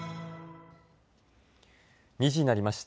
２時になりました。